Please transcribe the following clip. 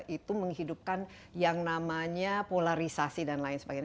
itu menghidupkan yang namanya polarisasi dan lain sebagainya